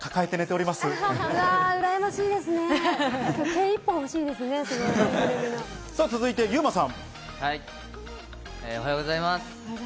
おはようございます。